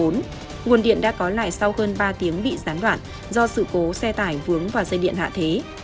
nguồn điện đã có lại sau hơn ba tiếng bị gián đoạn do sự cố xe tải vướng vào dây điện hạ thế